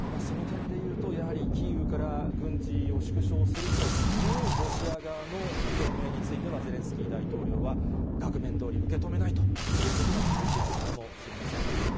その点で言うと、やはりキーウから軍事を縮小するというロシア側の表明についてはゼレンスキー大統領は、額面どおり受け止めないということが続いていくのかもしれません。